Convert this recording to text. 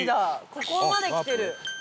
ここまで来てる。